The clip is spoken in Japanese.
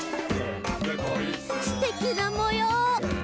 「すてきなもよう！」